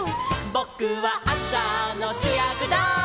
「ぼくはあさのしゅやくだい」